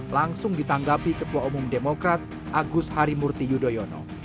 langsung ditanggapi ketua umum demokrat agus harimurti yudhoyono